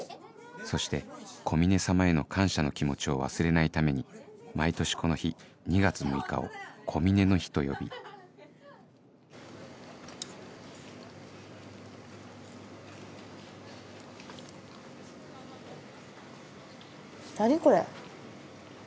そして小峰様への感謝の気持ちを忘れないために毎年この日２月６日を「小峰の日」と呼び何これ？